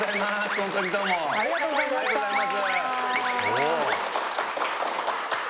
ホントにどうもありがとうございます